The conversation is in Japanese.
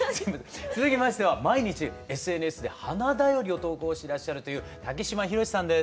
続きましては毎日ＳＮＳで花便りを投稿してらっしゃるという竹島宏さんです。